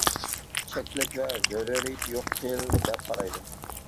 چەكلىك ۋە زۆرۈرىيىتى يوق تىل دەپ قارايدۇ.